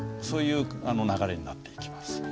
そういう流れになっていきます。